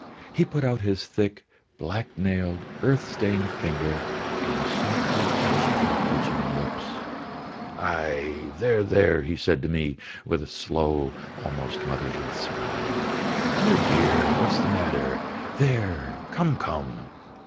He put out his thick, black nailed, earth stained finger and softly touched my twitching lips. "Aïe, there, there," he said to me with a slow, almost motherly smile. "Dear, dear, what is the matter? There; come, come!"